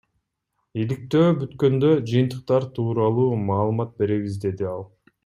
Иликтөө бүткөндө жыйынтыктар тууралуу маалымат беребиз, — деди ал.